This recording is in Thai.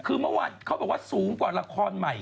คือเมื่อวานเขาบอกว่าสูงกว่าละครใหม่